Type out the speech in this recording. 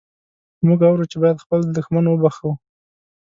موږ اورو چې باید خپل دښمن وبخښو.